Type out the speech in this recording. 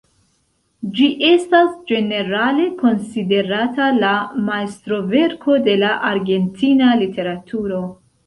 Ĝi estas ĝenerale konsiderata la majstroverko de la argentina literaturo.